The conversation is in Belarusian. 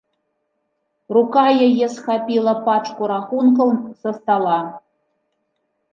Рука яе схапіла пачку рахункаў са стала.